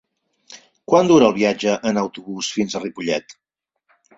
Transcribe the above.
Quant dura el viatge en autobús fins a Ripollet?